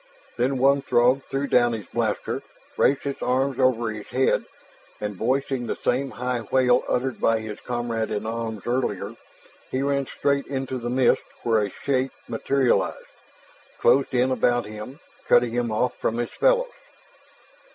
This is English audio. Then one Throg threw down his blaster, raised his arms over his head, and voicing the same high wail uttered by his comrade in arms earlier, he ran straight into the mist where a shape materialized, closed in behind him, cutting him off from his fellows.